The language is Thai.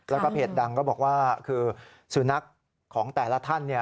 แล้วก็เพจดังก็บอกว่าคือสุนัขของแต่ละท่าน